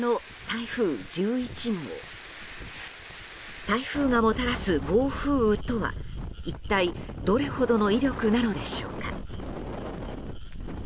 台風がもたらす暴風雨とは一体どれほどの威力なのでしょうか。